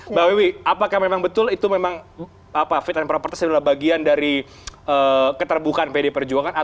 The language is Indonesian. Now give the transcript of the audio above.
mbak wiwi apakah memang betul itu memang fit and proper test adalah bagian dari keterbukaan pdi perjuangan